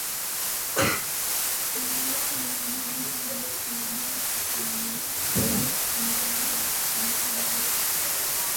The tournament was announced in May by Commissioner of Baseball Bud Selig.